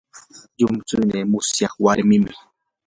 llumtsuynii musyaq warmin.